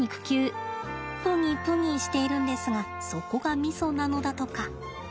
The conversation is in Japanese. プニプニしているんですがそこがミソなのだとか。